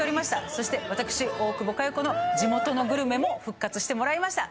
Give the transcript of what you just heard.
そして私、大久保佳代子の地元のグルメも復活してもらいました。